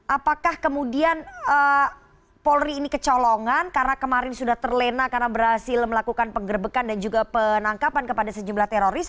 apakah kemudian polri ini kecolongan karena kemarin sudah terlena karena berhasil melakukan penggerbekan dan juga penangkapan kepada sejumlah teroris